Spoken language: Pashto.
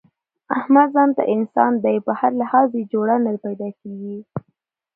احمد ځانته انسان دی، په هر لحاظ یې جوړه نه پیداکېږي.